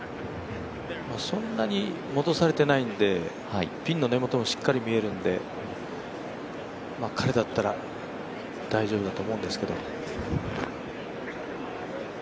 そんなに戻されてないんでピンの根元もしっかり見えるんで彼だったら大丈夫だと思うんですけど。